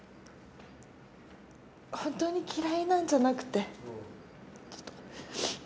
本当に嫌いなんじゃなくて。